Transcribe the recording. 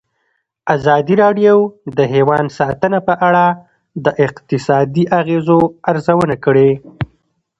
ازادي راډیو د حیوان ساتنه په اړه د اقتصادي اغېزو ارزونه کړې.